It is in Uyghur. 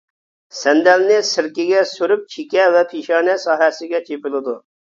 سەندەلنى سىركىگە سۈرۈپ چېكە ۋە پېشانە ساھەسىگە چېپىلىدۇ.